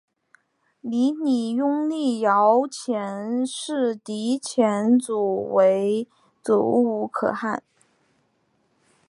泥礼拥立遥辇氏迪辇组里为阻午可汗。